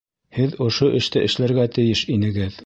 Һеҙ ошо эште эшләргә тейеш инегеҙ